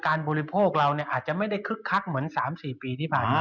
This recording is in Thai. บริโภคเราอาจจะไม่ได้คึกคักเหมือน๓๔ปีที่ผ่านมา